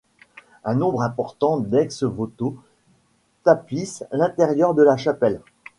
Un nombre important d'ex-voto tapissent l'intérieur de la chapelle.